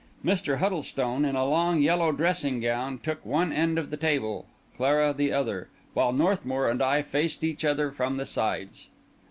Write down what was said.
Mr. Huddlestone, in a long yellow dressing gown, took one end of the table, Clara the other; while Northmour and I faced each other from the sides.